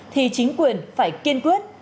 thì chính quyền phải kiên quyết